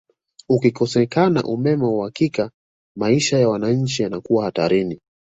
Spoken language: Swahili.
Ukikosekana umeme wa uhakika maisha ya wanachi yanakuwa hatarini